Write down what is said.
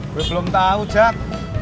gue belum tau jack